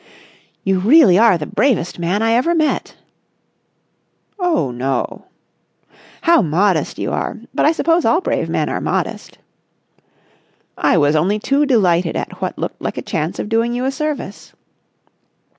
"You really are the bravest man I ever met!" "Oh, no!" "How modest you are! But I suppose all brave men are modest!" "I was only too delighted at what looked like a chance of doing you a service."